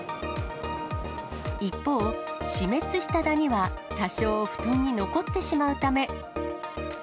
一方、死滅したダニは、多少、布団に残ってしまうため。